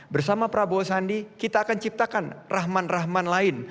bersama prabowo sandi kita akan ciptakan rahman rahman lain